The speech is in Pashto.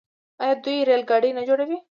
آیا دوی ریل ګاډي نه جوړوي؟